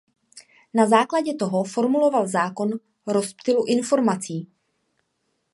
Na základě toho formuloval zákon rozptylu informací.